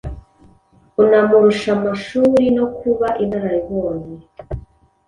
unamurusha amashuri no kuba inararibonye.